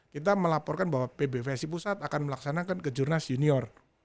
kita melaporkan bahwa pbvsi pusat akan melaksanakan kejurnas junior